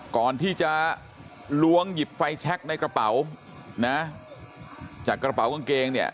ก่อนที่จะล้วงหยิบไฟแช็คในกระเป๋านะจากกระเป๋ากางเกงเนี่ย